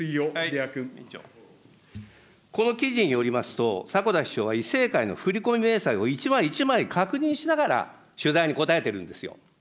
この記事によりますと、迫田秘書は以正会の振り込み明細を一枚一枚確認しながら、取材に答えてるんですよ。